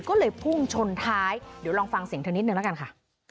ก็เลยพุ่งชนท้ายเดี๋ยวลองฟังเสียงเธอนิดนึงแล้วกันค่ะ